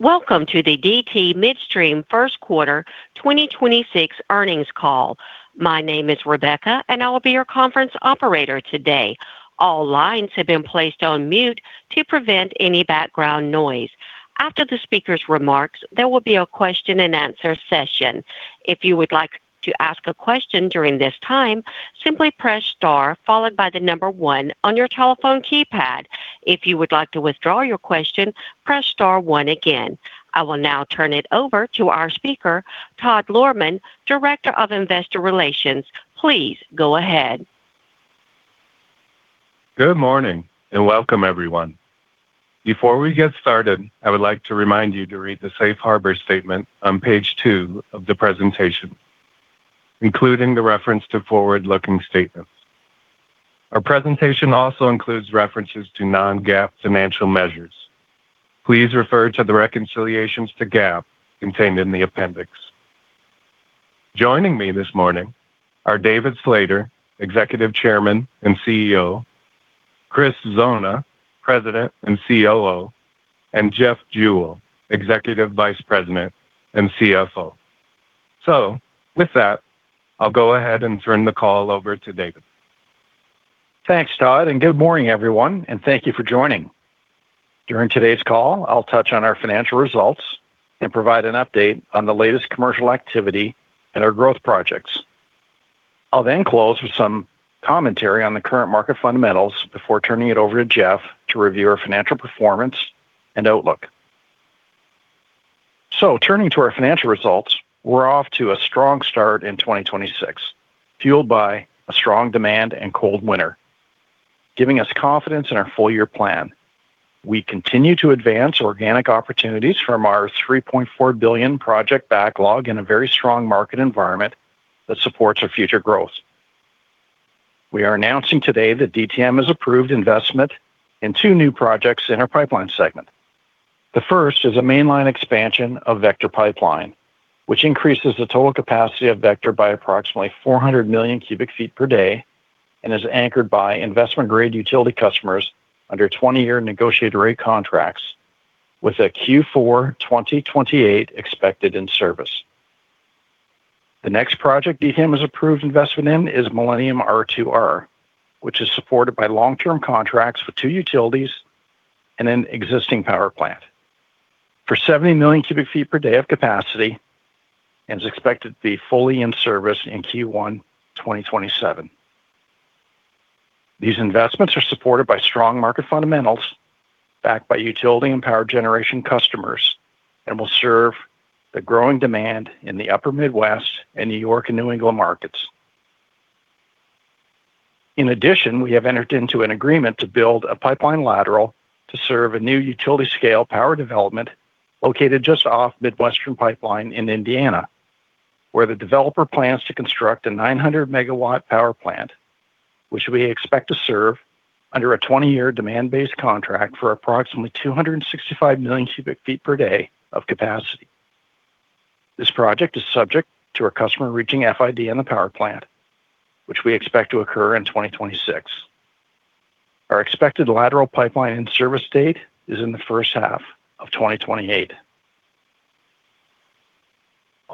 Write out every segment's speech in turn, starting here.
Welcome to the DT Midstream Q1 2026 earnings call. My name is Rebecca and I will be your conference operator today. All lines have been placed on mute to prevent any background noise. After the speaker's remarks, there will be a question and answer session. If you would like to ask a question during this time, simply press star followed by the number 1 on your telephone keypad. If you would like to withdraw your question, press star one again. I will now turn it over to our speaker, Todd Lohrmann, Director of Investor Relations. Please go ahead. Good morning and welcome everyone. Before we get started, I would like to remind you to read the safe harbor statement on page 2 of the presentation, including the reference to forward-looking statements. Our presentation also includes references to non-GAAP financial measures. Please refer to the reconciliations to GAAP contained in the appendix. Joining me this morning are David Slater, Executive Chairman and CEO, Chris Zona, President and COO, and Jeff Jewell, Executive Vice President and CFO. With that, I'll go ahead and turn the call over to David. Thanks, Todd, good morning, everyone, and thank you for joining. During today's call, I'll touch on our financial results and provide an update on the latest commercial activity and our growth projects. I'll close with some commentary on the current market fundamentals before turning it over to Jeff to review our financial performance and outlook. Turning to our financial results, we're off to a strong start in 2026, fueled by a strong demand and cold winter, giving us confidence in our full-year plan. We continue to advance organic opportunities from our $3.4 billion project backlog in a very strong market environment that supports our future growth. We are announcing today that DTM has approved investment in two new projects in our pipeline segment. The first is a mainline expansion of Vector Pipeline, which increases the total capacity of Vector by approximately 400 million cubic feet per day and is anchored by investment-grade utility customers under 20-year negotiated rate contracts with a Q4 2028 expected in service. The next project DTM has approved investment in is Millennium R2R, which is supported by long-term contracts with two utilities and an existing power plant for 70 million cubic feet per day of capacity and is expected to be fully in service in Q1 2027. These investments are supported by strong market fundamentals backed by utility and power generation customers and will serve the growing demand in the Upper Midwest and New York and New England markets. We have entered into an agreement to build a pipeline lateral to serve a new utility-scale power development located just off Midwestern Pipeline in Indiana, where the developer plans to construct a 900 MW power plant, which we expect to serve under a 20-year demand-based contract for approximately 265 million cubic feet per day of capacity. This project is subject to our customer reaching FID on the power plant, which we expect to occur in 2026. Our expected lateral pipeline in service date is in the first half of 2028.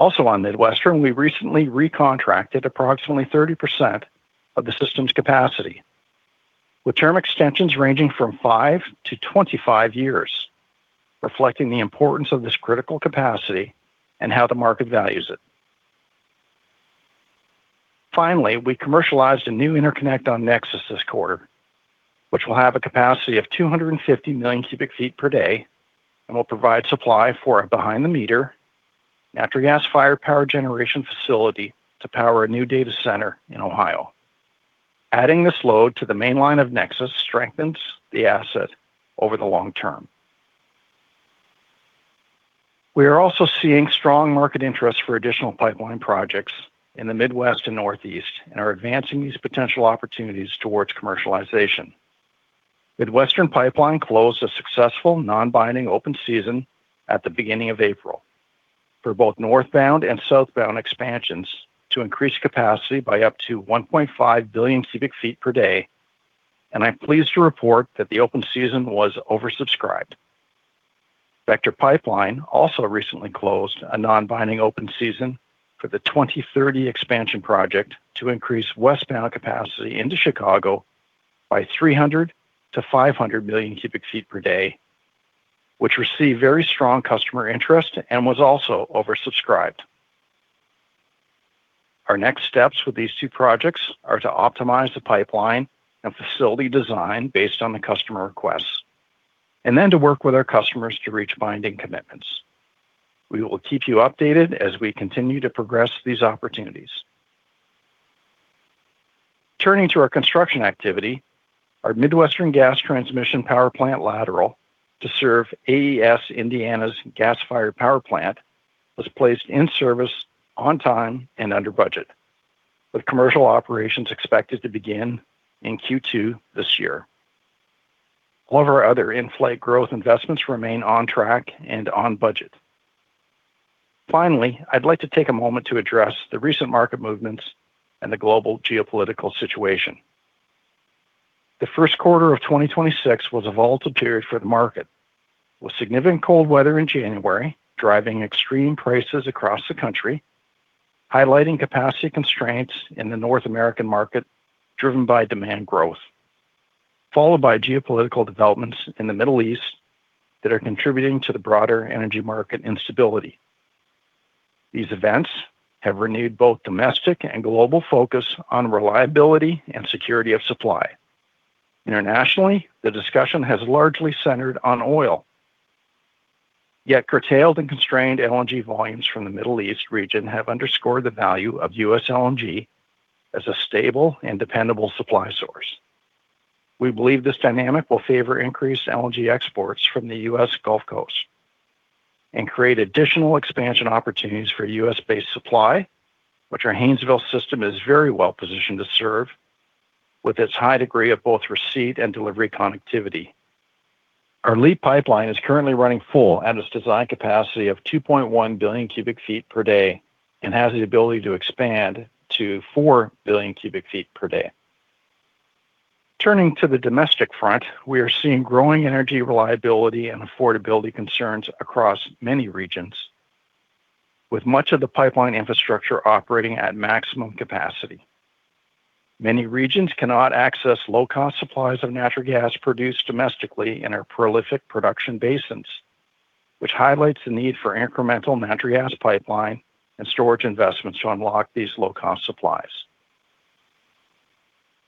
Also on Midwestern, we recently re-contracted approximately 30% of the system's capacity with term extensions ranging from 5 to 25 years, reflecting the importance of this critical capacity and how the market values it. Finally, we commercialized a new interconnect on NEXUS this quarter, which will have a capacity of 250 million cubic feet per day and will provide supply for a behind-the-meter natural gas-fired power generation facility to power a new data center in Ohio. Adding this load to the main line of NEXUS strengthens the asset over the long term. We are also seeing strong market interest for additional pipeline projects in the Midwest and Northeast and are advancing these potential opportunities towards commercialization. Midwestern Gas Transmission closed a successful non-binding open season at the beginning of April for both northbound and southbound expansions to increase capacity by up to 1.5 billion cubic feet per day, and I'm pleased to report that the open season was oversubscribed. Vector Pipeline also recently closed a non-binding open season for the 2030 expansion project to increase westbound capacity into Chicago by 300 million to 500 million cubic feet per day, which received very strong customer interest and was also oversubscribed. Our next steps with these two projects are to optimize the pipeline and facility design based on the customer requests, and then to work with our customers to reach binding commitments. We will keep you updated as we continue to progress these opportunities. Turning to our construction activity, our Midwestern Gas Transmission power plant lateral to serve AES Indiana's gas-fired power plant was placed in service on time and under budget, with commercial operations expected to begin in Q2 this year. All of our other in-flight growth investments remain on track and on budget. I'd like to take a moment to address the recent market movements and the global geopolitical situation. The Q1 of 2026 was a volatile period for the market, with significant cold weather in January driving extreme prices across the country, highlighting capacity constraints in the North American market driven by demand growth, followed by geopolitical developments in the Middle East that are contributing to the broader energy market instability. These events have renewed both domestic and global focus on reliability and security of supply. Internationally, the discussion has largely centered on oil. Yet curtailed and constrained LNG volumes from the Middle East region have underscored the value of U.S. LNG as a stable and dependable supply source. We believe this dynamic will favor increased LNG exports from the U.S. Gulf Coast and create additional expansion opportunities for U.S.-based supply, which our Haynesville system is very well-positioned to serve with its high degree of both receipt and delivery connectivity. Our LEAP pipeline is currently running full at its design capacity of 2.1 billion cubic feet per day and has the ability to expand to 4 billion cubic feet per day. Turning to the domestic front, we are seeing growing energy reliability and affordability concerns across many regions, with much of the pipeline infrastructure operating at maximum capacity. Many regions cannot access low-cost supplies of natural gas produced domestically in our prolific production basins, which highlights the need for incremental natural gas pipeline and storage investments to unlock these low-cost supplies.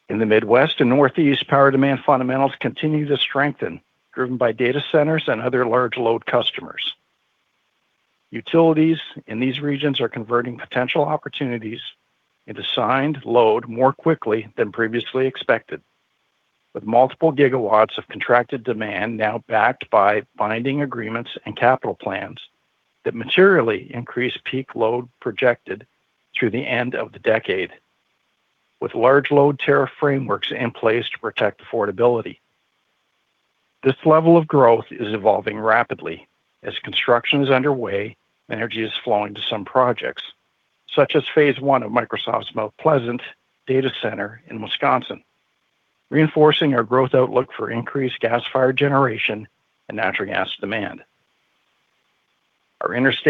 In the Midwest and Northeast, power demand fundamentals continue to strengthen, driven by data centers and other large load customers. Utilities in these regions are converting potential opportunities into signed load more quickly than previously expected, with multiple gigawatts of contracted demand now backed by binding agreements and capital plans that materially increase peak load projected through the end of the decade, with large load tariff frameworks in place to protect affordability. This level of growth is evolving rapidly as construction is underway and energy is flowing to some projects, such as phase I of Microsoft's Mount Pleasant data center in Wisconsin, reinforcing our growth outlook for increased gas-fired generation and natural gas demand. The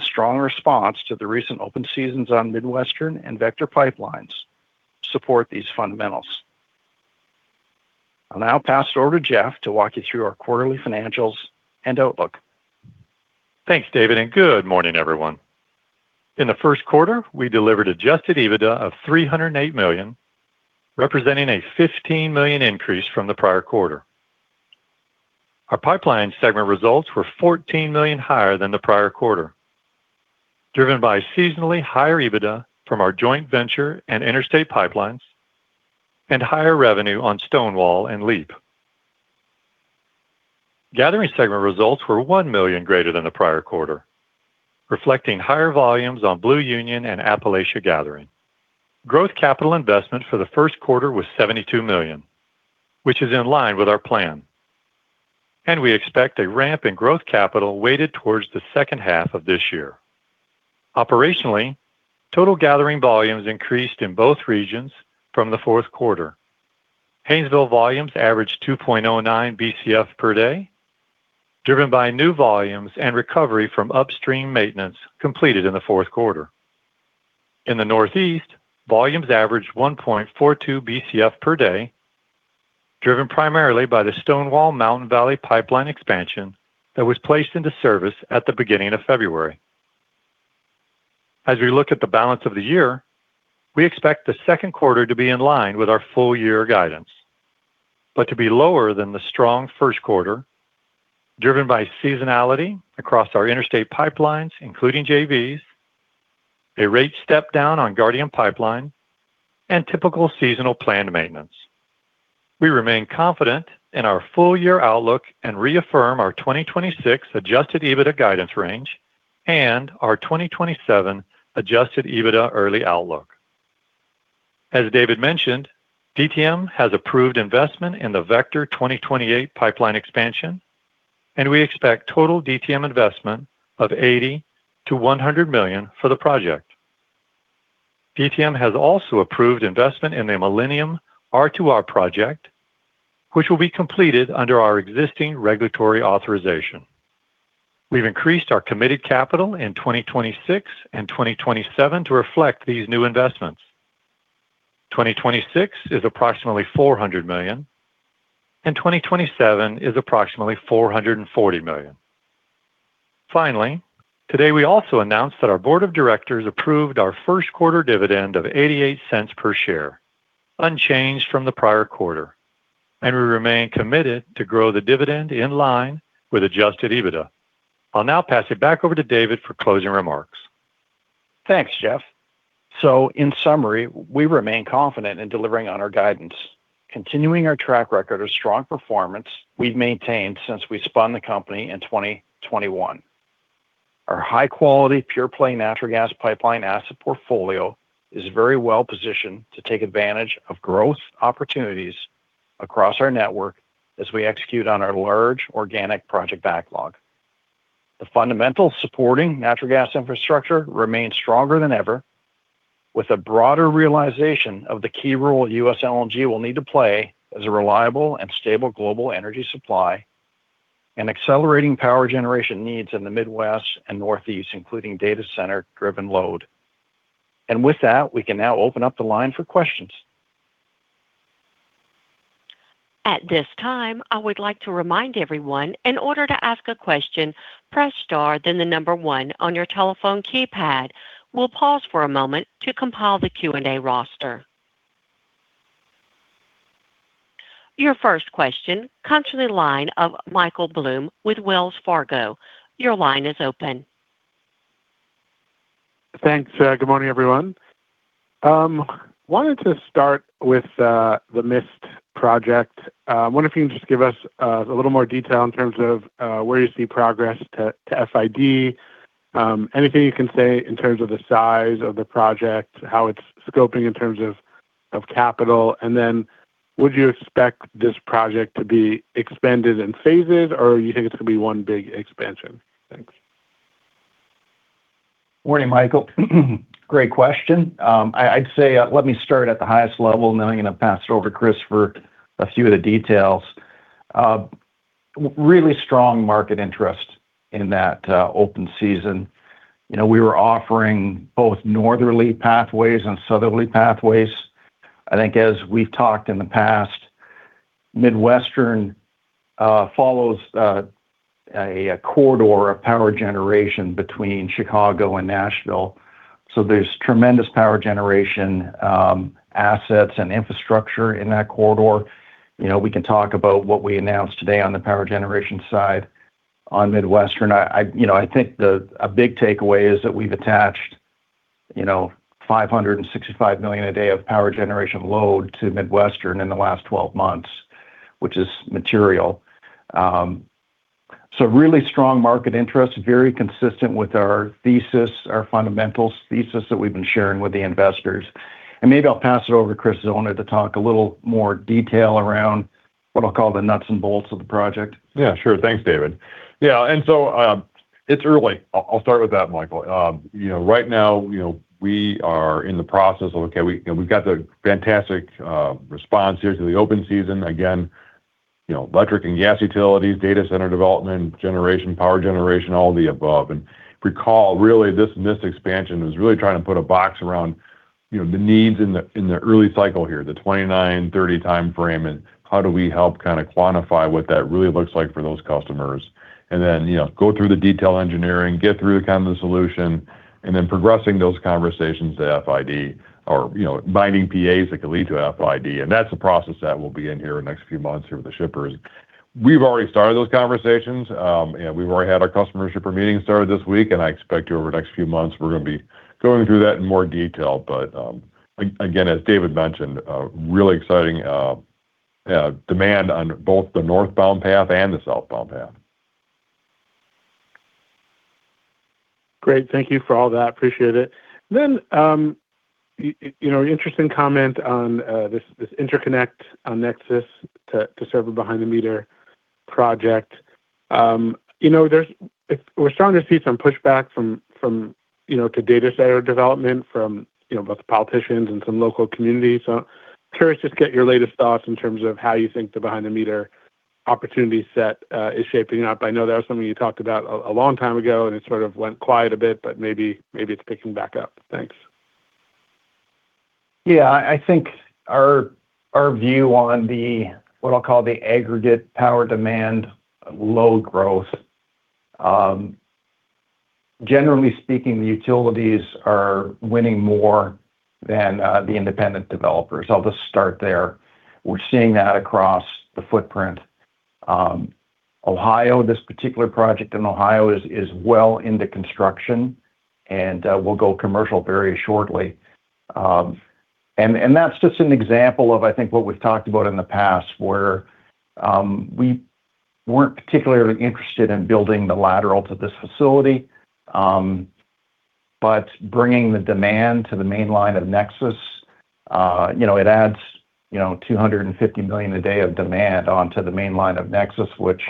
strong response to the recent open seasons on Midwestern and Vector pipelines support these fundamentals. I'll now pass it over to Jeff to walk you through our quarterly financials and outlook. Thanks, David, and good morning, everyone. In the Q1, we delivered Adjusted EBITDA of $308 million, representing a $15 million increase from the prior quarter. Our pipeline segment results were $14 million higher than the prior quarter, driven by seasonally higher EBITDA from our joint venture and interstate pipelines and higher revenue on Stonewall and LEAP. Gathering segment results were $1 million greater than the prior quarter, reflecting higher volumes on Blue Union and Appalachia Gathering. Growth capital investment for the Q1 was $72 million, which is in line with our plan, and we expect a ramp in growth capital weighted towards the second half of this year. Operationally, total gathering volumes increased in both regions from the Q4. Haynesville volumes averaged 2.09 BCF per day, driven by new volumes and recovery from upstream maintenance completed in the Q4. In the Northeast, volumes averaged 1.42 BCF per day, driven primarily by the Stonewall to Mountain Valley Pipeline expansion that was placed into service at the beginning of February. As we look at the balance of the year, we expect the Q2 to be in line with our full-year guidance, but to be lower than the strong Q1, driven by seasonality across our interstate pipelines, including JVs, a rate step-down on Guardian Pipeline, and typical seasonal planned maintenance. We remain confident in our full-year outlook and reaffirm our 2026 Adjusted EBITDA guidance range and our 2027 Adjusted EBITDA early outlook. As David Slater mentioned, DTM has approved investment in the Vector 2028 Expansion Project, and we expect total DTM investment of $80 million-$100 million for the project. DTM has also approved investment in the Millennium R2R project, which will be completed under our existing regulatory authorization. We've increased our committed capital in 2026 and 2027 to reflect these new investments. 2026 is approximately $400 million, and 2027 is approximately $440 million. Today, we also announced that our board of directors approved our Q1 dividend of $0.88 per share, unchanged from the prior quarter, and we remain committed to grow the dividend in line with Adjusted EBITDA. I'll now pass it back over to David for closing remarks. Thanks, Jeff. In summary, we remain confident in delivering on our guidance, continuing our track record of strong performance we've maintained since we spun the company in 2021. Our high-quality, pure-play natural gas pipeline asset portfolio is very well-positioned to take advantage of growth opportunities across our network as we execute on our large organic project backlog. The fundamental supporting natural gas infrastructure remains stronger than ever, with a broader realization of the key role US LNG will need to play as a reliable and stable global energy supply and accelerating power generation needs in the Midwest and Northeast, including data center-driven load. With that, we can now open up the line for questions. At this time, I would like to remind everyone, in order to ask a question, press star then the number 1 on your telephone keypad. We'll pause for a moment to compile the Q&A roster. Your first question comes from the line of Michael Blum with Wells Fargo. Your line is open. Thanks. Good morning, everyone. Wanted to start with the Midwestern Expansion Project. Wonder if you can just give us a little more detail in terms of where you see progress to FID. Anything you can say in terms of the size of the project, how it's scoping in terms of capital. Would you expect this project to be expanded in phases or you think it's gonna be one big expansion? Thanks. Morning, Michael. Great question. I'd say, let me start at the highest level and then I'm gonna pass it over to Chris for a few of the details. Really strong market interest in that open season. You know, we were offering both northerly pathways and southerly pathways. I think as we've talked in the past, Midwestern follows a corridor of power generation between Chicago and Nashville, so there's tremendous power generation assets and infrastructure in that corridor. You know, we can talk about what we announced today on the power generation side on Midwestern. I think a big takeaway is that we've attached, you know, 565 million a day of power generation load to Midwestern in the last 12 months, which is material. Really strong market interest, very consistent with our thesis, our fundamentals thesis that we've been sharing with the investors. Maybe I'll pass it over to Chris to go on and to talk a little more detail around what I'll call the nuts and bolts of the project. Sure. Thanks, David. It's early. I'll start with that, Michael. You know, right now, you know, we are in the process of, okay, we, you know, we've got the fantastic response here to the open season. Again, you know, electric and gas utilities, data center development, generation, power generation, all of the above. If we call, really, this MIST expansion is really trying to put a box around, you know, the needs in the early cycle here, the 2029, 2030 timeframe, and how do we help kind of quantify what that really looks like for those customers. Then, you know, go through the detail engineering, get through kind of the solution, progressing those conversations to FID or, you know, binding PAs that can lead to FID. That's a process that will be in here in the next few months here with the shippers. We've already started those conversations, and we've already had our customer shipper meetings started this week, and I expect to over the next few months, we're gonna be going through that in more detail. Again, as David mentioned, really exciting demand on both the northbound path and the southbound path. Great. Thank you for all that. Appreciate it. you know, interesting comment on this interconnect, Nexus to serve a behind-the-meter project. you know, we're starting to see some pushback from, you know, to data center development from, you know, both the politicians and some local communities. curious, just get your latest thoughts in terms of how you think the behind-the-meter opportunity set is shaping up. I know that was something you talked about a long time ago, and it sort of went quiet a bit, but maybe it's picking back up. Thanks. Yeah. I think our view on the, what I'll call the aggregate power demand load growth, generally speaking, the utilities are winning more than the independent developers. I'll just start there. We're seeing that across the footprint. Ohio, this particular project in Ohio is well into construction and will go commercial very shortly. That's just an example of, I think, what we've talked about in the past, where we weren't particularly interested in building the lateral to this facility. Bringing the demand to the main line of NEXUS, you know, it adds, you know, 250 million a day of demand onto the main line of NEXUS, which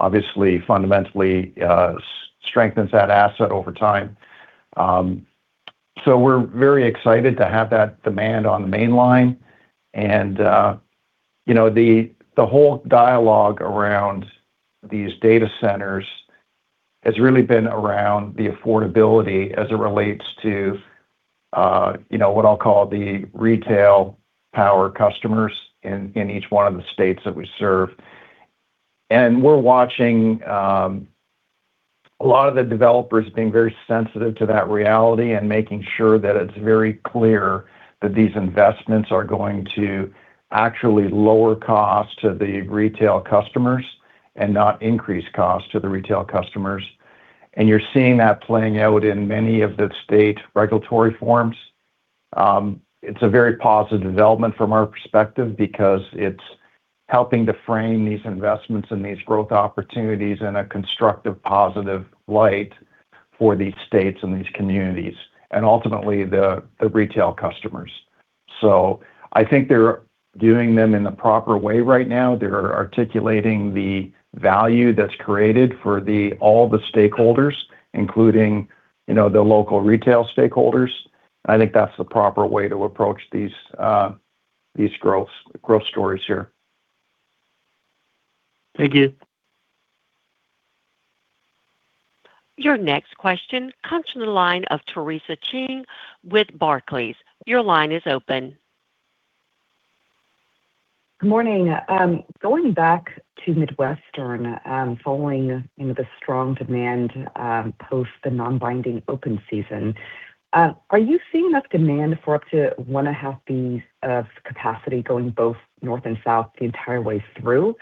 obviously fundamentally strengthens that asset over time. We're very excited to have that demand on the main line. The whole dialogue around these data centers has really been around the affordability as it relates to what I'll call the retail power customers in each 1 of the states that we serve. We're watching a lot of the developers being very sensitive to that reality and making sure that it's very clear that these investments are going to actually lower costs to the retail customers and not increase costs to the retail customers. You're seeing that playing out in many of the state regulatory forums. It's a very positive development from our perspective because it's helping to frame these investments and these growth opportunities in a constructive, positive light for these states and these communities and ultimately the retail customers. I think they're doing them in the proper way right now. They're articulating the value that's created for all the stakeholders, including, you know, the local retail stakeholders. I think that's the proper way to approach these growth stories here. Thank you. Your next question comes from the line of Theresa Chen with Barclays. Your line is open. Good morning. Going back to Midwestern, following, you know, the strong demand, post the non-binding open season, are you seeing enough demand for up to 1.5 BCF of capacity going both north and south the entire way through?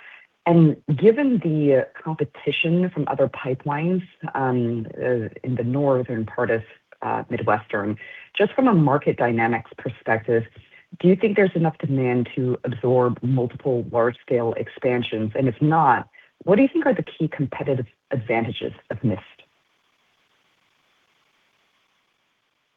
Given the competition from other pipelines, in the northern part of Midwestern, just from a market dynamics perspective, do you think there's enough demand to absorb multiple large scale expansions? If not, what do you think are the key competitive advantages of MIST?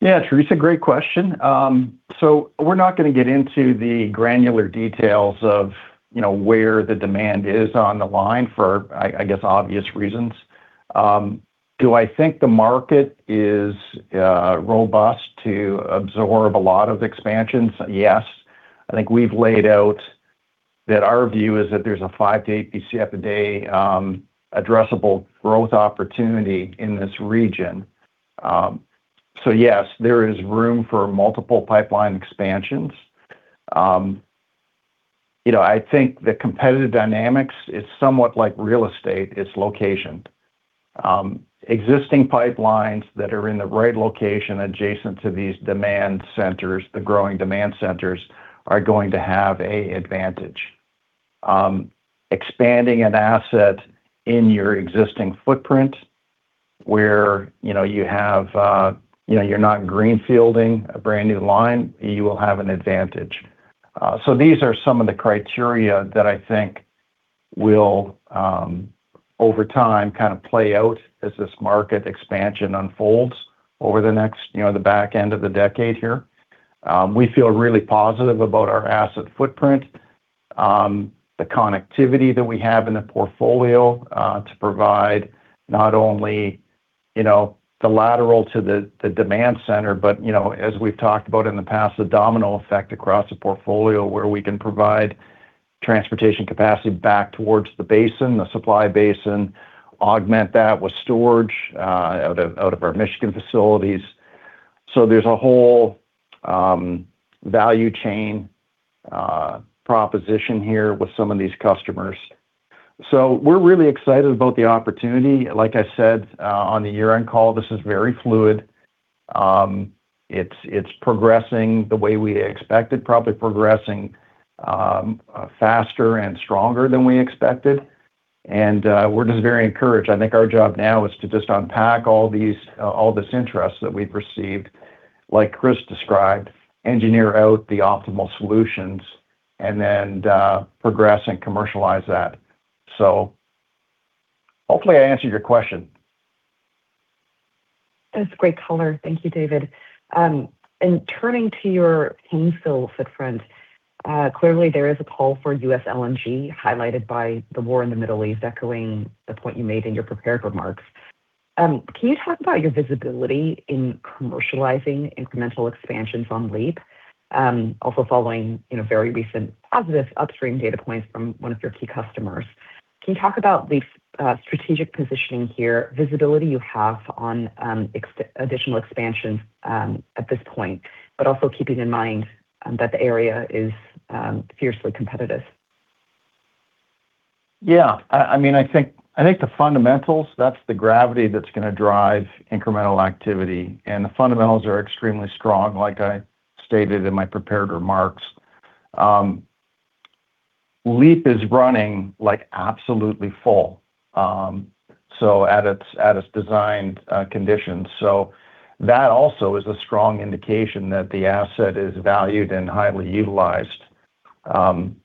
Yeah, Theresa, great question. We're not gonna get into the granular details of, you know, where the demand is on the line for I guess, obvious reasons. Do I think the market is robust to absorb a lot of expansions? Yes. I think we've laid out that our view is that there's a 5 to 8 Bcf a day addressable growth opportunity in this region. Yes, there is room for multiple pipeline expansions. You know, I think the competitive dynamics is somewhat like real estate, it's location. Existing pipelines that are in the right location adjacent to these demand centers, the growing demand centers, are going to have an advantage. Expanding an asset in your existing footprint where, you know, you have, you know, you're not greenfielding a brand new line, you will have an advantage. These are some of the criteria that I think will over time kind of play out as this market expansion unfolds over the next, you know, the back end of the decade here. We feel really positive about our asset footprint, the connectivity that we have in the portfolio, to provide not only, you know, the lateral to the demand center, but, you know, as we've talked about in the past, the domino effect across the portfolio where we can provide transportation capacity back towards the basin, the supply basin, augment that with storage out of, out of our Michigan facilities. There's a whole value chain proposition here with some of these customers. We're really excited about the opportunity. Like I said, on the year-end call, this is very fluid. It's progressing the way we expected, probably progressing faster and stronger than we expected. We're just very encouraged. I think our job now is to just unpack all these all this interest that we've received, like Chris described, engineer out the optimal solutions, and then progress and commercialize that. Hopefully I answered your question. That's a great color. Thank you, David. Turning to your Haynesville footprint, clearly there is a call for U.S. LNG highlighted by the war in the Middle East, echoing the point you made in your prepared remarks. Can you talk about your visibility in commercializing incremental expansions on LEAP? Also following, you know, very recent positive upstream data points from one of your key customers. Can you talk about the strategic positioning here, visibility you have on additional expansions at this point, but also keeping in mind that the area is fiercely competitive? I mean, I think, I think the fundamentals, that's the gravity that's gonna drive incremental activity, and the fundamentals are extremely strong, like I stated in my prepared remarks. LEAP is running, like, absolutely full, so at its designed conditions. So that also is a strong indication that the asset is valued and highly utilized. I'm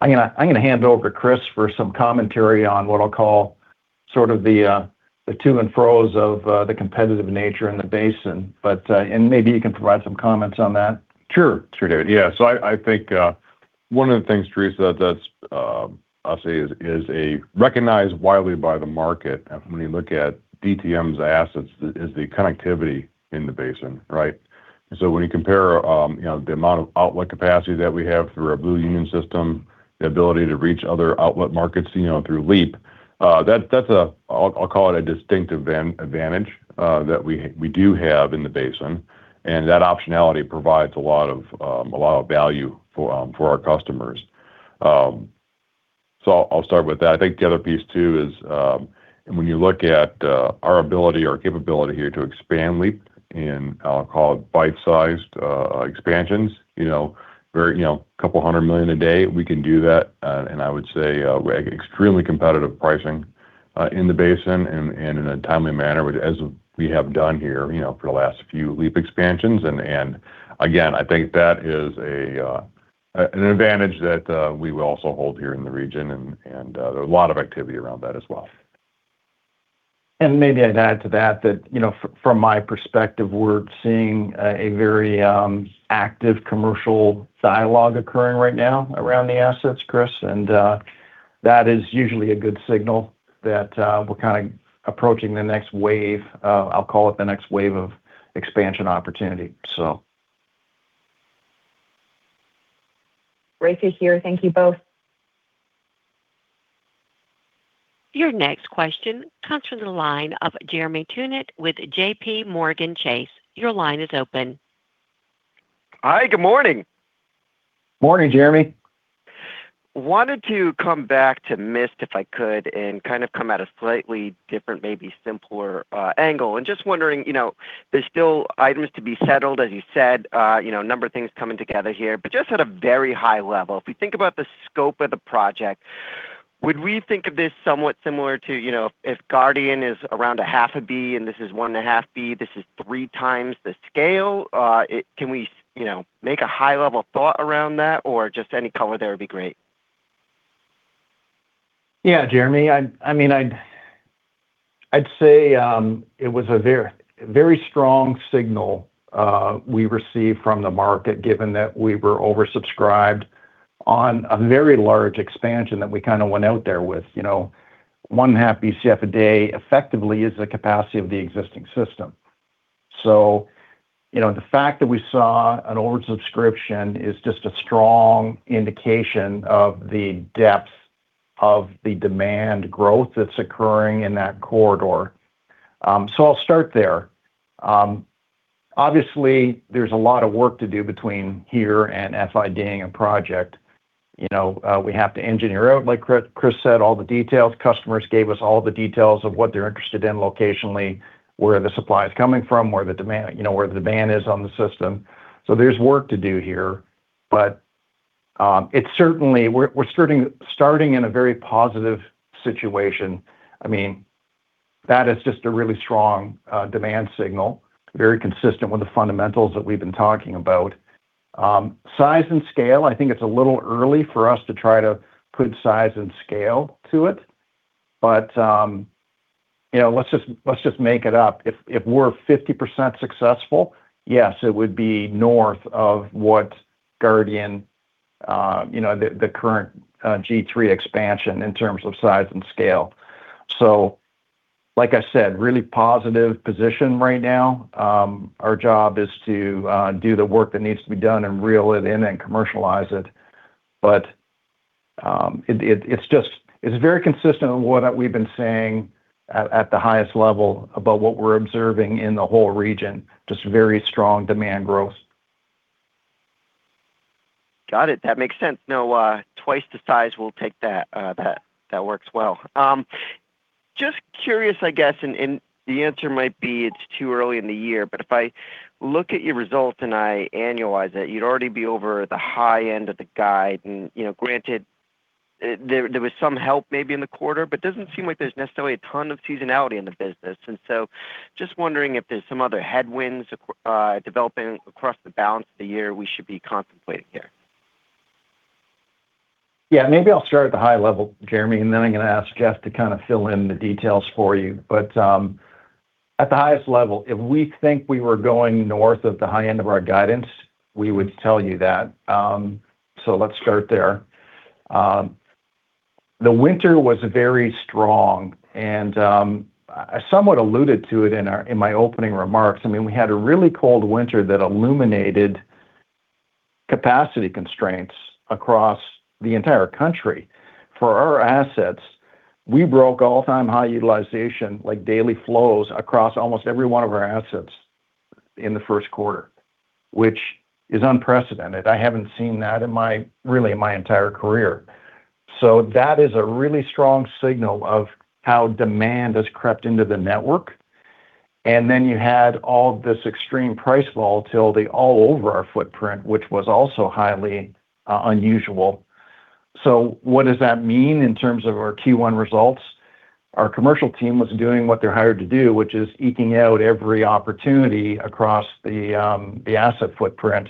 gonna hand over Chris for some commentary on what I'll call sort of the to and fros of the competitive nature in the basin. Maybe you can provide some comments on that. Sure. Sure, David. Yeah. I think one of the things, Theresa, that's, I'll say is a recognized widely by the market when you look at DTM's assets is the connectivity in the basin, right? When you compare, you know, the amount of outlet capacity that we have through our Blue Union system, the ability to reach other outlet markets, you know, through LEAP, I'll call it a distinctive advantage that we do have in the basin, and that optionality provides a lot of value for our customers. I'll start with that. I think the other piece too is, when you look at, our ability or capability here to expand LEAP in, I'll call it bite-sized expansions. You know, very, you know, $200 million a day, we can do that. I would say extremely competitive pricing in the basin and in a timely manner as we have done here, you know, for the last few LEAP expansions. An advantage that we will also hold here in the region and there are a lot of activity around that as well. Maybe I'd add to that, you know, from my perspective, we're seeing a very active commercial dialogue occurring right now around the assets, Chris, that is usually a good signal that we're kind of approaching the next wave. I'll call it the next wave of expansion opportunity. Great to hear. Thank you both. Your next question comes from the line of Jeremy Tonet with JPMorgan. Your line is open. Hi, good morning. Morning, Jeremy. Wanted to come back to MIST, if I could, kind of come at a slightly different, maybe simpler, angle. Just wondering, you know, there's still items to be settled, as you said. You know, a number of things coming together here. Just at a very high level, if you think about the scope of the project, would we think of this somewhat similar to, you know, if Guardian is around 0.5 BCF and this is 1.5 BCF, this is 3x the scale? Can we, you know, make a high level thought around that, or just any color there would be great. Yeah, Jeremy, I mean, I'd say, it was a very, very strong signal we received from the market, given that we were oversubscribed on a very large expansion that we kind of went out there with, you know. 1 BCF a day effectively is the capacity of the existing system. You know, the fact that we saw an oversubscription is just a strong indication of the depth of the demand growth that's occurring in that corridor. I'll start there. Obviously, there's a lot of work to do between here and FID-ing a project. You know, we have to engineer out, like Chris said, all the details. Customers gave us all the details of what they're interested in locationally, where the supply is coming from, where the demand, you know, where the demand is on the system. There's work to do here. It certainly, we're starting in a very positive situation. I mean, that is just a really strong demand signal, very consistent with the fundamentals that we've been talking about. Size and scale, I think it's a little early for us to try to put size and scale to it. You know, let's just make it up. If we're 50% successful, yes, it would be north of what Guardian, you know, the current G3 expansion in terms of size and scale. Like I said, really positive position right now. Our job is to do the work that needs to be done and reel it in and commercialize it. It's just, it's very consistent with what we've been saying at the highest level about what we're observing in the whole region. Just very strong demand growth. Got it. That makes sense. No, twice the size, we'll take that. That works well. Just curious, I guess, and the answer might be it's too early in the year. If I look at your results and I annualize it, you'd already be over the high end of the guide. You know, granted, there was some help maybe in the quarter, but it doesn't seem like there's necessarily a ton of seasonality in the business. Just wondering if there's some other headwinds developing across the balance of the year we should be contemplating here. Maybe I'll start at the high level, Jeremy, and then I'm gonna ask Jeff to kind of fill in the details for you. At the highest level, if we think we were going north of the high end of our guidance, we would tell you that. Let's start there. The winter was very strong and I somewhat alluded to it in my opening remarks. I mean, we had a really cold winter that illuminated capacity constraints across the entire country. For our assets, we broke all-time high utilization, like, daily flows across almost every 1 of our assets in the Q1, which is unprecedented. I haven't seen that in my, really in my entire career. That is a really strong signal of how demand has crept into the network. You had all this extreme price volatility all over our footprint, which was also highly unusual. What does that mean in terms of our Q1 results? Our commercial team was doing what they're hired to do, which is eking out every opportunity across the asset footprint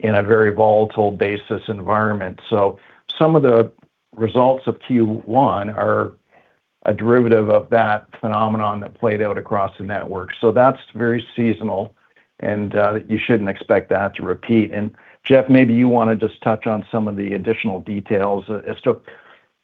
in a very volatile basis environment. Some of the results of Q1 are a derivative of that phenomenon that played out across the network. That's very seasonal, and you shouldn't expect that to repeat. Jeff, maybe you wanna just touch on some of the additional details as to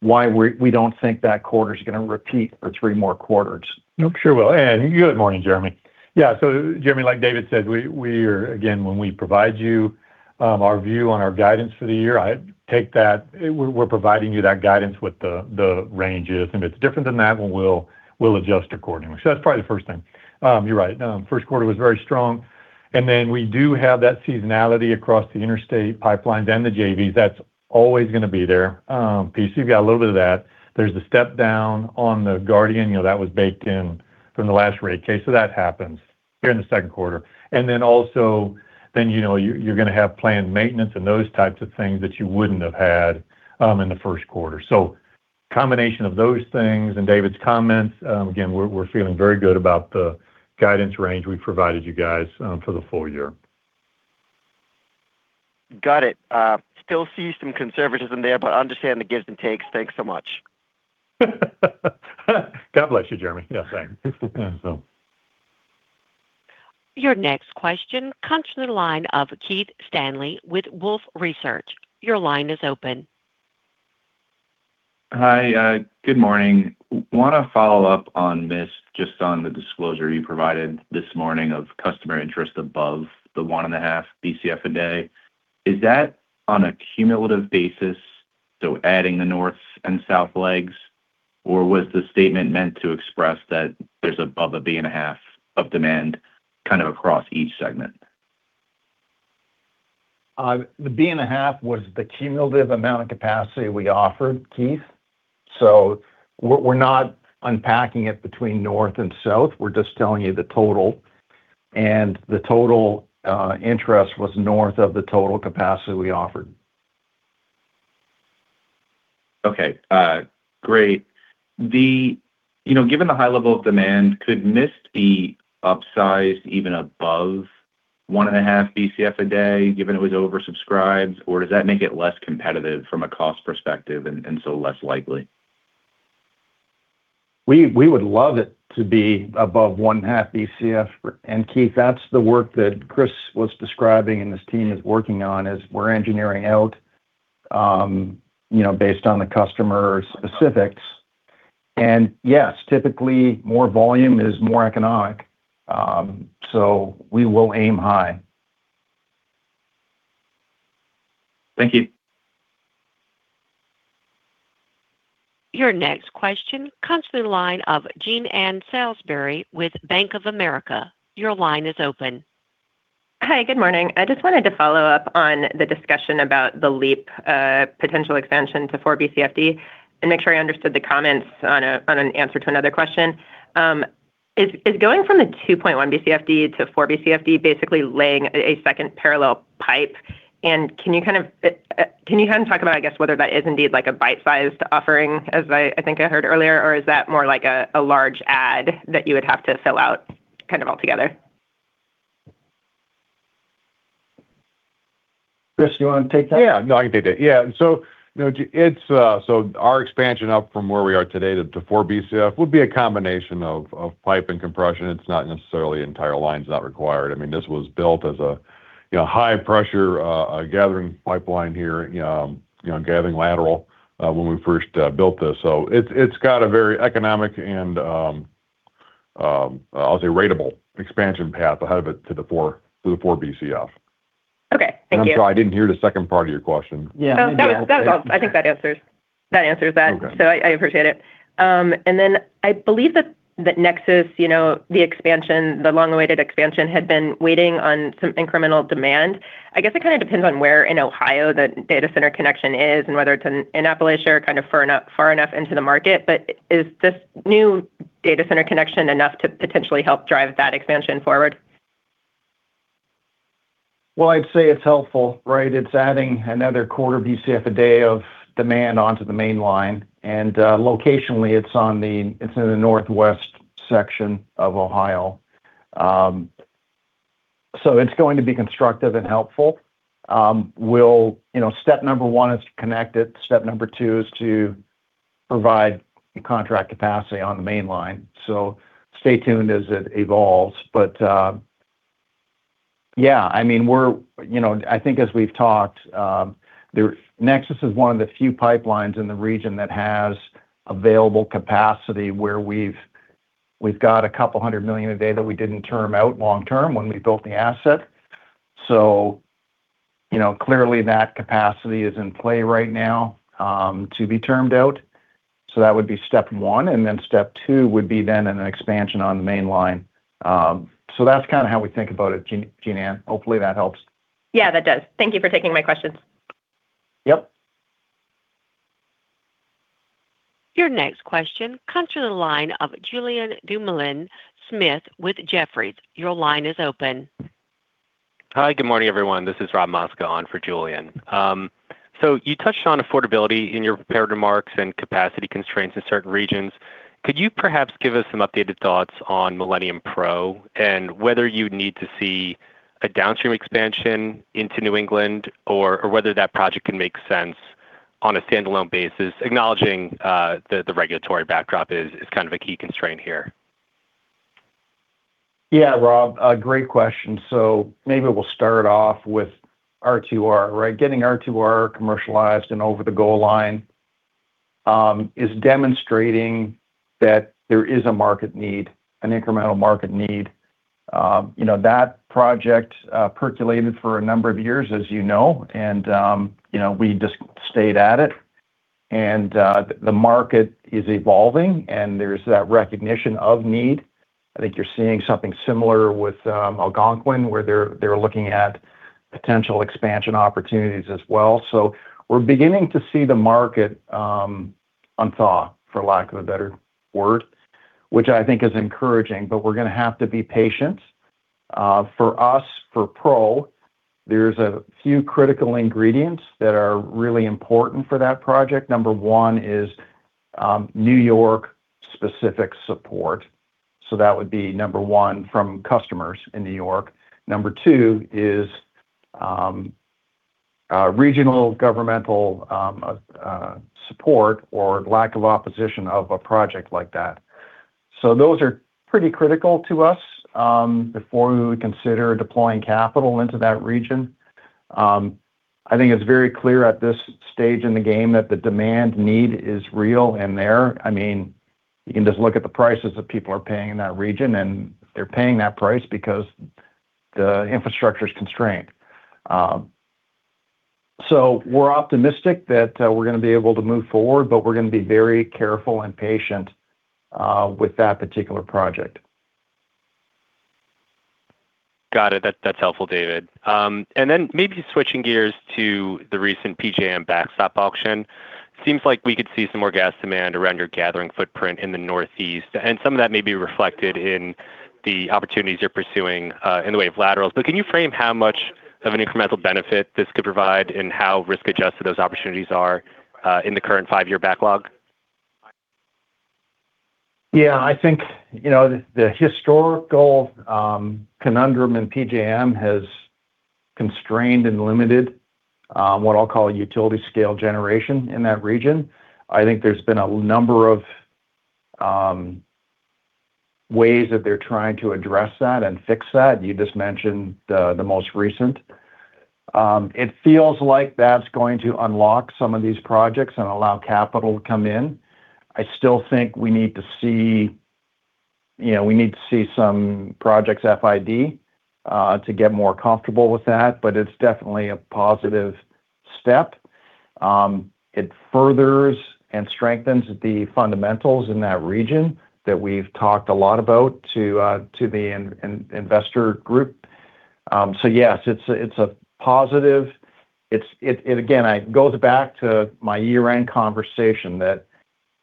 why we don't think that quarter is gonna repeat for 3 more quarters. Nope, sure will. Good morning, Jeremy. Yeah. Jeremy, like David said, we are again, when we provide you our view on our guidance for the year, I take that we are providing you that guidance with the ranges. If it's different than that, then we'll adjust accordingly. That's probably the first thing. You're right. Q1 was very strong. We do have that seasonality across the interstate pipelines and the JVs. That's always gonna be there, piece. You've got a little bit of that. There's the step down on the Guardian, you know, that was baked in from the last rate case. That happens here in the Q2. You know, you're gonna have planned maintenance and those types of things that you wouldn't have had in the Q1. So, Combination of those things and David's comments, again, we're feeling very good about the guidance range we've provided you guys, for the full year. Got it. Still see some conservatism there, but understand the gives and takes. Thanks so much. God bless you, Jeremy. Yeah, same. Your next question comes from the line of Keith Stanley with Wolfe Research. Hi. Good morning. Wanna follow up on MIST, just on the disclosure you provided this morning of customer interest above the 1.5 Bcf/d. Is that on a cumulative basis, so adding the north and south legs, or was the statement meant to express that there's above 1.5 Bcf of demand kind of across each segment? The B and a half was the cumulative amount of capacity we offered, Keith. We're not unpacking it between north and south. We're just telling you the total, and the total interest was north of the total capacity we offered. Okay. great. You know, given the high level of demand, could MIST be upsized even above 1.5 Bcf a day given it was oversubscribed, or does that make it less competitive from a cost perspective and so less likely? We would love it to be above 1.5 Bcf. Keith, that's the work that Chris was describing and his team is working on, is we're engineering out, you know, based on the customer specifics. Yes, typically more volume is more economic. We will aim high. Thank you. Your next question comes from the line of Jean Ann Salisbury with Bank of America. Your line is open. Hi, good morning. I just wanted to follow up on the discussion about the LEAP potential expansion to 4 Bcf/d and make sure I understood the comments on an answer to another question. Is going from the 2.1 Bcf/d to 4 Bcf/d basically laying a second parallel pipe? Can you kind of talk about, I guess, whether that is indeed like a bite-sized offering, as I think I heard earlier, or is that more like a large add that you would have to fill out kind of altogether? Chris, you wanna take that? Yeah. No, I can take that. Yeah. You know, it's, so our expansion up from where we are today to 4 Bcf would be a combination of pipe and compression. It's not necessarily entire lines that are required. I mean, this was built as a, you know, high pressure, gathering pipeline here, you know, gathering lateral, when we first built this. It's, it's got a very economic and, I'll say ratable expansion path ahead of it to the 4 Bcf. Okay. Thank you. I'm sorry, I didn't hear the second part of your question. Yeah. Maybe I'll take it. Oh, that was all. I think that answers that. Okay. I appreciate it. I believe that NEXUS Gas Transmission, you know, the expansion, the long-awaited expansion had been waiting on some incremental demand. I guess it kind of depends on where in Ohio the data center connection is and whether it's in Appalachia or kind of far enough into the market. Is this new data center connection enough to potentially help drive that expansion forward? Well, I'd say it's helpful, right? It's adding another quarter Bcf a day of demand onto the main line. Locationally, it's in the Northwest section of Ohio. It's going to be constructive and helpful. You know, step number 1 is to connect it. Step number 2 is to provide contract capacity on the main line. Stay tuned as it evolves. Yeah, I mean, you know, I think as we've talked, NEXUS is one of the few pipelines in the region that has available capacity where we've got a couple hundred million a day that we didn't term out long-term when we built the asset. You know, clearly that capacity is in play right now to be termed out. That would be step 1, and then step 2 would be then an expansion on the main line. That's kinda how we think about it, Jean Ann. Hopefully, that helps. Yeah, that does. Thank you for taking my questions. Yep. Your next question comes from the line of Julien Dumoulin-Smith with Jefferies. Your line is open. Hi, good morning, everyone. This is Rob Mosca on for Julian. You touched on affordability in your prepared remarks and capacity constraints in certain regions. Could you perhaps give us some updated thoughts on Millennium Pipeline and whether you need to see a downstream expansion into New England or whether that project can make sense on a standalone basis, acknowledging the regulatory backdrop is kind of a key constraint here? Yeah, Rob, a great question. Maybe we'll start off with R2R, right? Getting R2R commercialized and over the goal line is demonstrating that there is a market need, an incremental market need. You know, that project percolated for a number of years, as you know, and we just stayed at it. The market is evolving, and there's that recognition of need. I think you're seeing something similar with Algonquin, where they're looking at potential expansion opportunities as well. We're beginning to see the market unthaw, for lack of a better word, which I think is encouraging, but we're gonna have to be patient. For us, for Pearl, there's a few critical ingredients that are really important for that project. Number 1 is New York specific support. That would be number 1 from customers in New York. Number 2 is regional governmental support or lack of opposition of a project like that. Those are pretty critical to us before we would consider deploying capital into that region. I think it's very clear at this stage in the game that the demand need is real and there. I mean, you can just look at the prices that people are paying in that region, and they're paying that price because the infrastructure is constrained. We're optimistic that we're gonna be able to move forward, but we're gonna be very careful and patient with that particular project. Got it. That, that's helpful, David. Maybe switching gears to the recent PJM backstop auction. Seems like we could see some more gas demand around your gathering footprint in the Northeast, and some of that may be reflected in the opportunities you're pursuing in the way of laterals. Can you frame how much of an incremental benefit this could provide and how risk-adjusted those opportunities are in the current 5-year backlog? Yeah. I think, you know, the historical conundrum in PJM has constrained and limited what I'll call utility scale generation in that region. I think there's been a number of ways that they're trying to address that and fix that. You just mentioned the most recent. It feels like that's going to unlock some of these projects and allow capital to come in. I still think we need to see. You know, we need to see some projects FID to get more comfortable with that, but it's definitely a positive step. It furthers and strengthens the fundamentals in that region that we've talked a lot about to the investor group. Yes, it's a positive. It again goes back to my year-end conversation that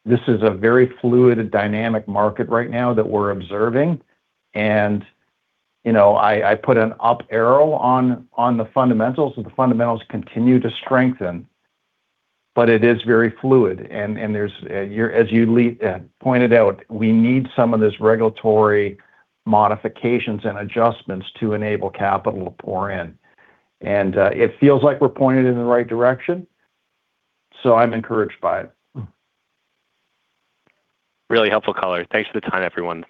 this is a very fluid dynamic market right now that we're observing and, you know, I put an up arrow on the fundamentals. The fundamentals continue to strengthen, but it is very fluid and there's, as you pointed out, we need some of this regulatory modifications and adjustments to enable capital to pour in. It feels like we're pointed in the right direction, so I'm encouraged by it. Really helpful color. Thanks for the time, everyone.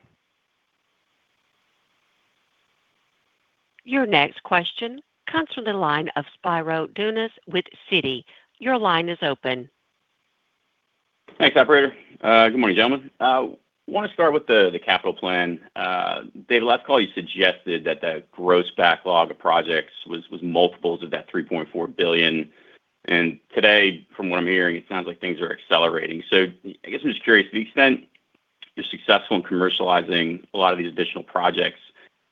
Your next question comes from the line of Spiro Dounis with Citi. Your line is open. Thanks, operator. Good morning, gentlemen. Wanna start with the capital plan. David, last call you suggested that the gross backlog of projects was multiples of that $3.4 billion. Today, from what I'm hearing, it sounds like things are accelerating. I guess I'm just curious, to the extent you're successful in commercializing a lot of these additional projects,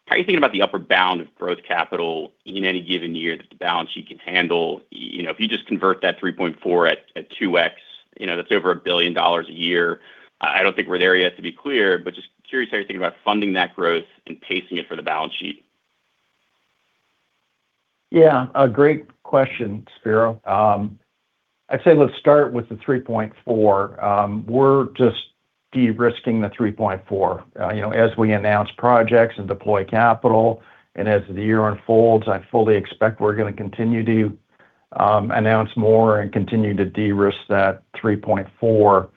How are you thinking about the upper bound of growth capital in any given year that the balance sheet can handle? You know, if you just convert that $3.4 billion at 2x, you know, that's over $1 billion a year. I don't think we're there yet, to be clear, but just curious how you think about funding that growth and pacing it for the balance sheet. Yeah, a great question, Spiro. I'd say let's start with the 3.4. We're just de-risking the 3.4. You know, as we announce projects and deploy capital, and as the year unfolds, I fully expect we're gonna continue to announce more and continue to de-risk that 3.4.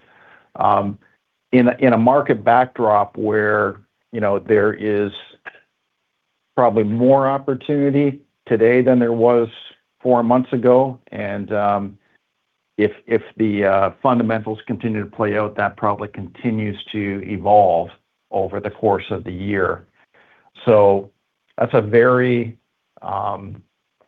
In a, in a market backdrop where, you know, there is probably more opportunity today than there was 4 months ago, and if the fundamentals continue to play out, that probably continues to evolve over the course of the year. That's a very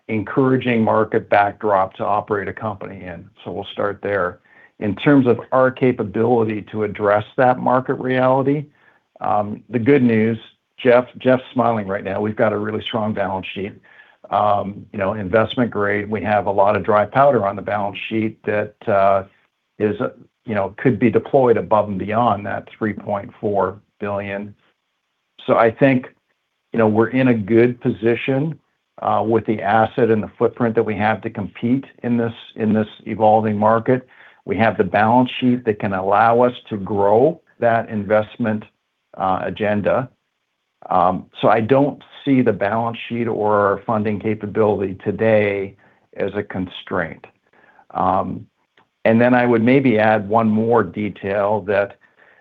encouraging market backdrop to operate a company in. We'll start there. In terms of our capability to address that market reality, the good news, Jeff's smiling right now. We've got a really strong balance sheet. You know, investment-grade. We have a lot of dry powder on the balance sheet that, you know, could be deployed above and beyond that $3.4 billion. I think, you know, we're in a good position with the asset and the footprint that we have to compete in this, in this evolving market. We have the balance sheet that can allow us to grow that investment agenda. I don't see the balance sheet or our funding capability today as a constraint. I would maybe add one more detail that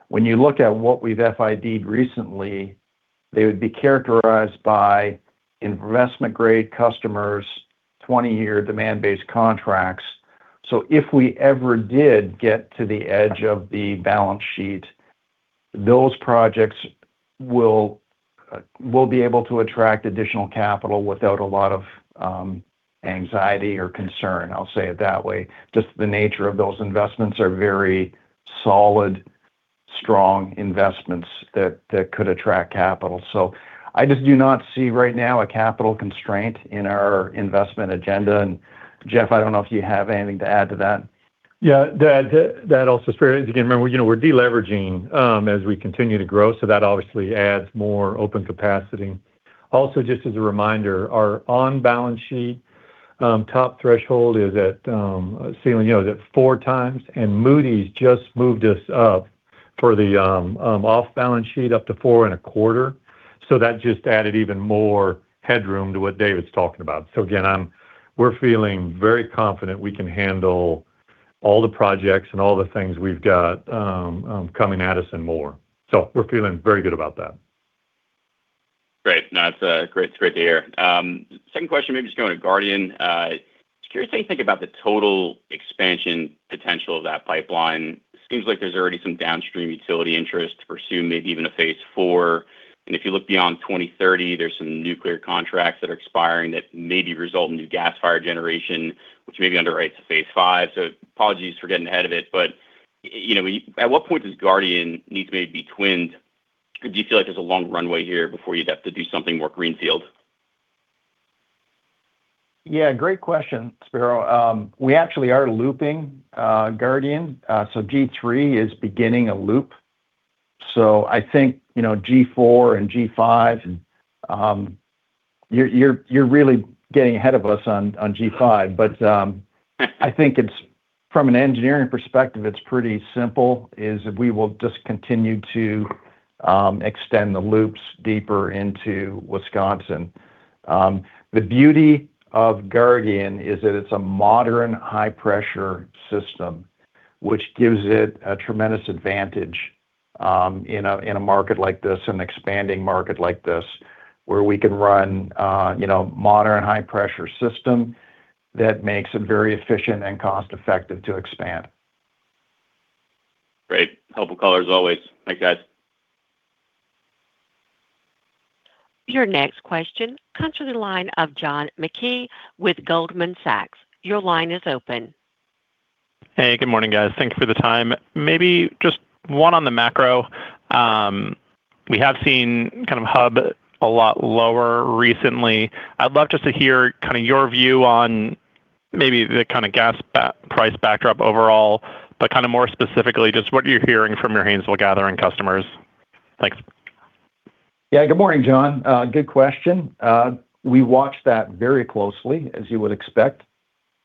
when you look at what we've FID recently, they would be characterized by investment-grade customers, 20-year demand-based contracts. If we ever did get to the edge of the balance sheet, those projects will be able to attract additional capital without a lot of anxiety or concern. I'll say it that way. Just the nature of those investments are very solid, strong investments that could attract capital. I just do not see right now a capital constraint in our investment agenda. Jeff, I don't know if you have anything to add to that. Yeah, that also, Spiro, again, remember, you know, we're de-leveraging, as we continue to grow, so that obviously adds more open capacity. Also, just as a reminder, our on balance sheet, top threshold is at, a ceiling, you know, is at 4x, and Moody's just moved us up for the, off balance sheet up to four and a quarter. That just added even more headroom to what David's talking about. Again, we're feeling very confident we can handle all the projects and all the things we've got, coming at us and more. We're feeling very good about that. Great. No, that's great, it's great to hear. Second question, maybe just going to Guardian. Just curious how you think about the total expansion potential of that pipeline. Seems like there's already some downstream utility interest to pursue maybe even a phase IV. If you look beyond 2030, there's some nuclear contracts that are expiring that maybe result in new gas-fired generation, which maybe underwrites a phase V. Apologies for getting ahead of it, but, you know, at what point does Guardian need to maybe be twinned? Or do you feel like there's a long runway here before you'd have to do something more greenfield? Great question, Spiro Dounis. We actually are looping Guardian. G3 is beginning a loop. I think, you know, G4 and G5 and you're really getting ahead of us on G5. I think it's from an engineering perspective, it's pretty simple, is we will just continue to extend the loops deeper into Wisconsin. The beauty of Guardian is that it's a modern high-pressure system, which gives it a tremendous advantage in a market like this, an expanding market like this, where we can run, you know, modern high-pressure system that makes it very efficient and cost-effective to expand. Great. Helpful color as always. Thanks, guys. Your next question comes to the line of John Mackay with Goldman Sachs. Your line is open. Hey, good morning, guys. Thank you for the time. Maybe just one on the macro. We have seen kind of hub a lot lower recently. I'd love just to hear kind of your view on maybe the kind of gas price backdrop overall, but kind of more specifically, just what you're hearing from your Haynesville gathering customers. Thanks. Yeah, good morning, John. good question. We watch that very closely, as you would expect.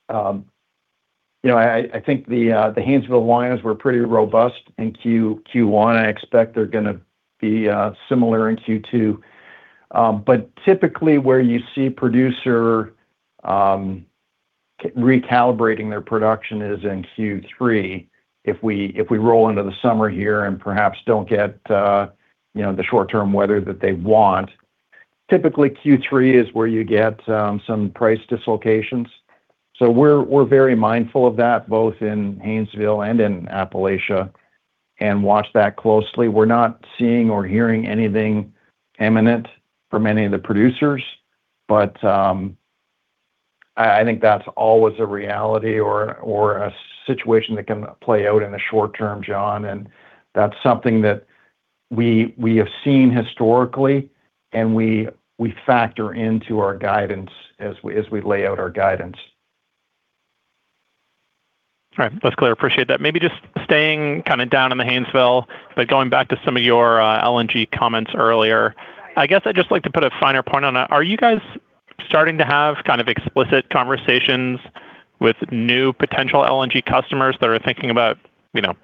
You know, I think the Haynesville lines were pretty robust in Q1. I expect they're gonna be similar in Q2. Typically, where you see producer recalibrating their production is in Q3. If we roll into the summer here and perhaps don't get, you know, the short-term weather that they want, typically Q3 is where you get some price dislocations. We're very mindful of that, both in Haynesville and in Appalachia, and watch that closely. We're not seeing or hearing anything imminent from any of the producers. I think that's always a reality or a situation that can play out in the short term, John. That's something that we have seen historically and we factor into our guidance as we lay out our guidance. All right. That's clear. Appreciate that. Just staying kind of down in the Haynesville, going back to some of your LNG comments earlier. I guess I'd just like to put a finer point on it. Are you guys starting to have kind of explicit conversations with new potential LNG customers that are thinking about, you know,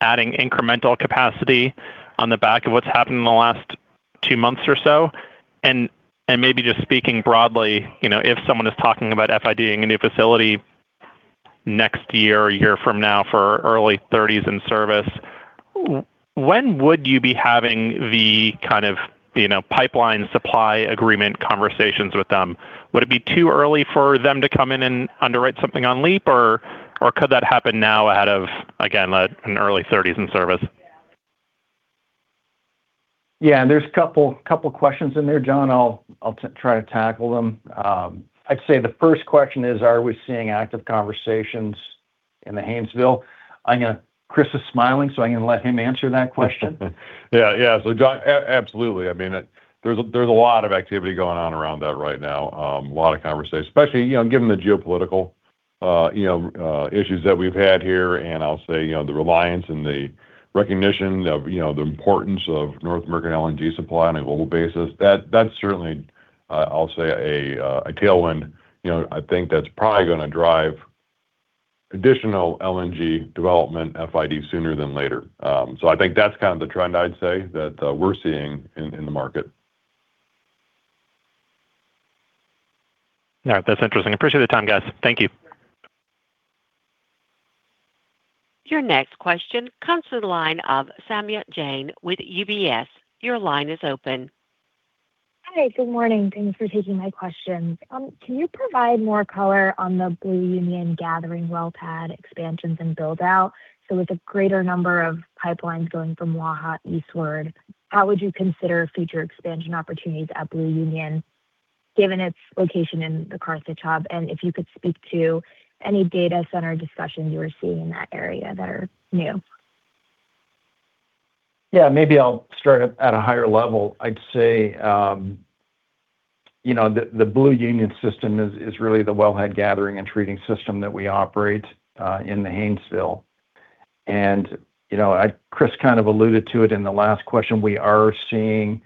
adding incremental capacity on the back of what's happened in the last 2 months or so? Maybe just speaking broadly, you know, if someone is talking about FID-ing a new facility next year or a year from now for early 30s in service, when would you be having the kind of, you know, pipeline supply agreement conversations with them? Would it be too early for them to come in and underwrite something on LEAP, or could that happen now ahead of, again, like in early 2030s in service? Yeah. There's a couple questions in there, John. I'll try to tackle them. I'd say the first question is, are we seeing active conversations in the Haynesville? Chris is smiling, so I'm gonna let him answer that question. Yeah, yeah. John, absolutely. I mean, there's a lot of activity going on around that right now. A lot of conversations, especially, you know, given the geopolitical, you know, issues that we've had here. I'll say, you know, the reliance and the recognition of, you know, the importance of North American LNG supply on a global basis, that's certainly, I'll say a tailwind. You know, I think that's probably gonna drive additional LNG development FID sooner than later. I think that's kind of the trend I'd say that we're seeing in the market. All right. That's interesting. Appreciate the time, guys. Thank you. Your next question comes to the line of Saumya Jain with UBS. Your line is open. Hi. Good morning. Thanks for taking my questions. Can you provide more color on the Blue Union gathering well pad expansions and build-out? With a greater number of pipelines going from Waha eastward, how would you consider future expansion opportunities at Blue Union given its location in the Carthage Hub? If you could speak to any data center discussions you are seeing in that area that are new. Yeah, maybe I'll start at a higher level. I'd say, you know, the Blue Union system is really the wellhead gathering and treating system that we operate in the Haynesville. You know, Chris kind of alluded to it in the last question. We are seeing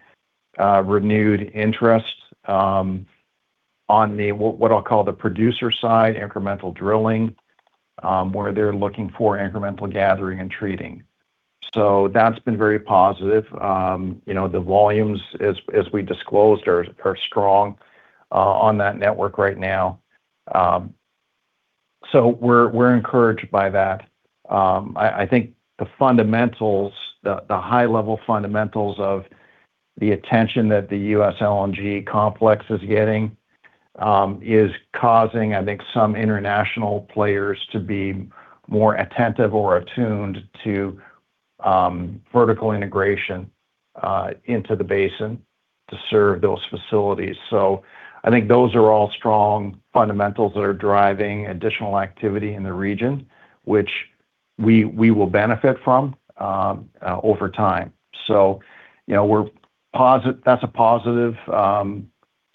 renewed interest on what I'll call the producer side incremental drilling, where they're looking for incremental gathering and treating. That's been very positive. You know, the volumes as we disclosed are strong on that network right now. We're encouraged by that. I think the fundamentals, the high level fundamentals of the attention that the U.S. LNG complex is getting, is causing, I think, some international players to be more attentive or attuned to vertical integration into the basin to serve those facilities. I think those are all strong fundamentals that are driving additional activity in the region, which we will benefit from over time. You know, that's a positive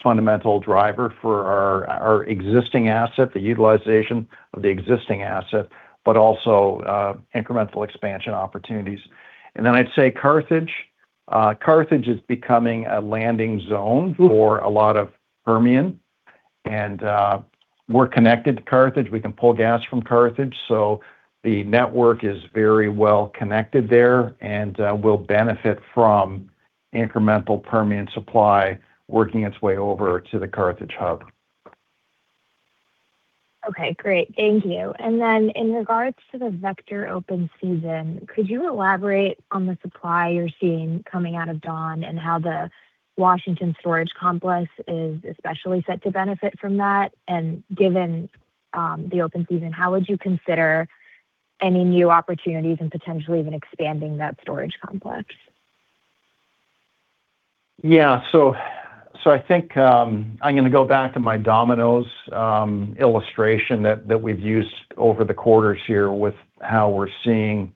fundamental driver for our existing asset, the utilization of the existing asset, but also incremental expansion opportunities. I'd say Carthage is becoming a landing zone for a lot of Permian. We're connected to Carthage. We can pull gas from Carthage. The network is very well connected there and will benefit from incremental Permian supply working its way over to the Carthage Hub. Okay. Great. Thank you. Then in regards to the Vector open season, could you elaborate on the supply you're seeing coming out of Dawn and how the Washington 10 Storage Complex is especially set to benefit from that? Given the open season, how would you consider any new opportunities in potentially even expanding that storage complex? Yeah. I think I'm gonna go back to my dominoes illustration that we've used over the quarters here with how we're seeing,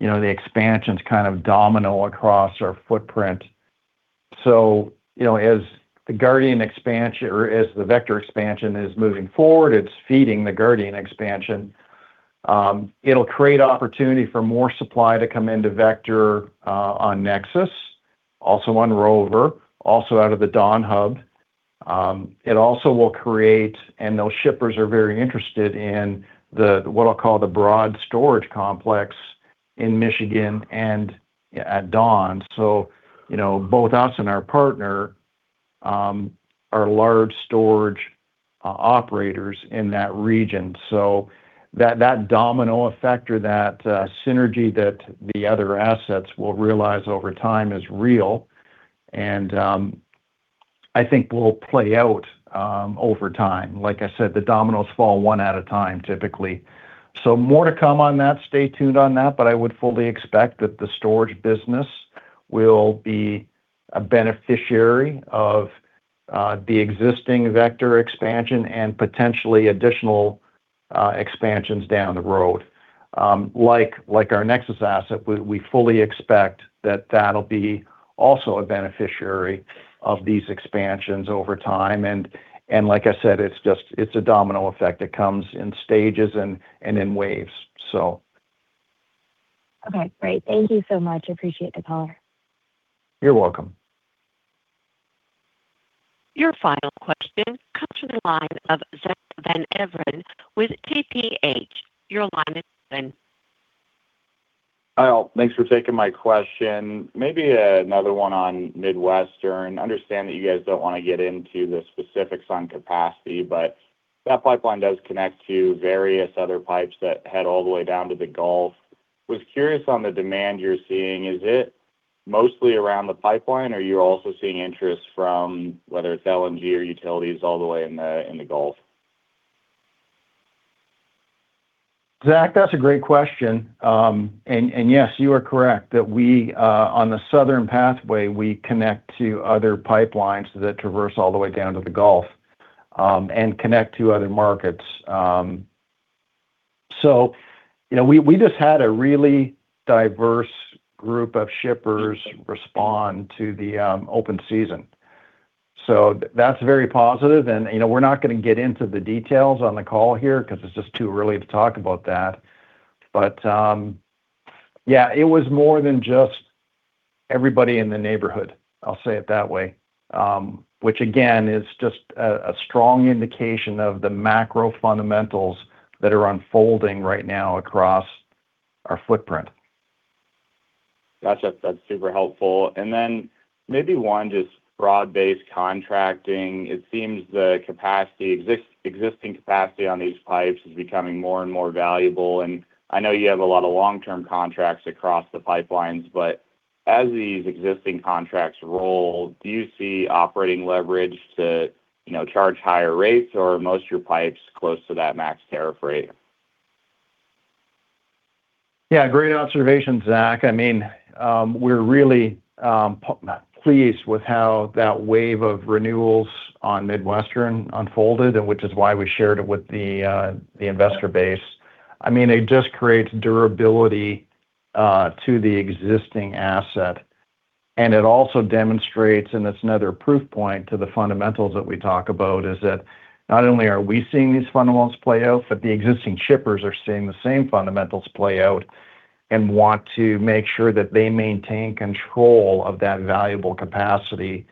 you know, the expansions kind of domino across our footprint. You know, as the Guardian expansion or as the Vector expansion is moving forward, it's feeding the Guardian expansion. It'll create opportunity for more supply to come into Vector, on NEXUS, also on Rover, also out of the Dawn Hub. It also will create, and those shippers are very interested in the, what I'll call the broad storage complex in Michigan and, at Dawn. You know, both us and our partner are large storage operators in that region. That domino effect or that synergy that the other assets will realize over time is real and I think will play out over time. Like I said, the dominoes fall one at a time typically. More to come on that. Stay tuned on that. I would fully expect that the storage business will be a beneficiary of the existing Vector expansion and potentially additional expansions down the road. Like our Nexus asset, we fully expect that that'll be also a beneficiary of these expansions over time. Like I said, it's just a domino effect. It comes in stages and in waves. Okay. Great. Thank you so much. Appreciate the call. You're welcome. Your final question comes from the line of Zack Van Everen with TPH&Co. Your line is open. Hi all. Thanks for taking my question. Maybe another one on Midwestern. Understand that you guys don't wanna get into the specifics on capacity. That pipeline does connect to various other pipes that head all the way down to the Gulf. I was curious on the demand you're seeing. Is it mostly around the pipeline, or you're also seeing interest from whether it's LNG or utilities all the way in the Gulf? Zack, that's a great question. Yes, you are correct that we on the southern pathway, we connect to other pipelines that traverse all the way down to the Gulf and connect to other markets. You know, we just had a really diverse group of shippers respond to the open season. That's very positive. You know, we're not gonna get into the details on the call here 'cause it's just too early to talk about that. Yeah, it was more than just everybody in the neighborhood. I'll say it that way. Which again, is just a strong indication of the macro fundamentals that are unfolding right now across our footprint. Gotcha. That's super helpful. Maybe one just broad-based contracting. It seems the capacity existing capacity on these pipes is becoming more and more valuable. I know you have a lot of long-term contracts across the pipelines, but as these existing contracts roll, do you see operating leverage to, you know, charge higher rates, or are most of your pipes close to that max tariff rate? Yeah, great observation, Zack. I mean, we're really pleased with how that wave of renewals on Midwestern unfolded and which is why we shared it with the investor base. I mean, it just creates durability to the existing asset, and it also demonstrates, and it's another proof point to the fundamentals that we talk about, is that not only are we seeing these fundamentals play out, but the existing shippers are seeing the same fundamentals play out and want to make sure that they maintain control of that valuable capacity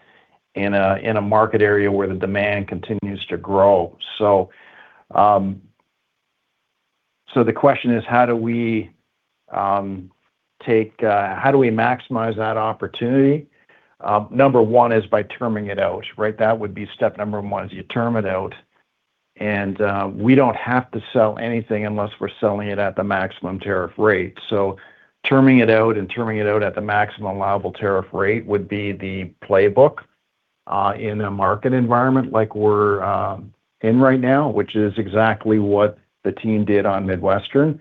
in a market area where the demand continues to grow. The question is how do we maximize that opportunity? Number one is by terming it out, right? That would be step number one is you term it out. We don't have to sell anything unless we're selling it at the maximum tariff rate. Terming it out and terming it out at the maximum allowable tariff rate would be the playbook in a market environment like we're in right now, which is exactly what the team did on Midwestern.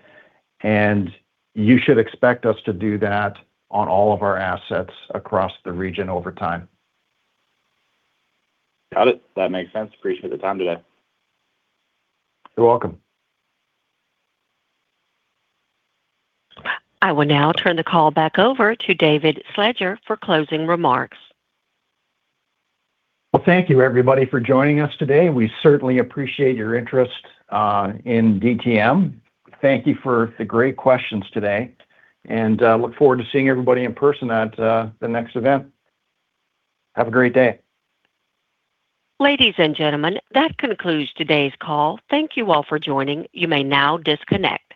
You should expect us to do that on all of our assets across the region over time. Got it. That makes sense. Appreciate the time today. You're welcome. I will now turn the call back over to David Slater for closing remarks. Well, thank you everybody for joining us today. We certainly appreciate your interest in DTM. Thank you for the great questions today, and look forward to seeing everybody in person at the next event. Have a great day. Ladies and gentlemen, that concludes today's call. Thank you all for joining. You may now disconnect.